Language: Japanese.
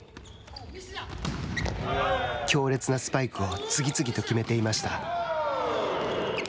強烈なスパイクを次々と決めていました。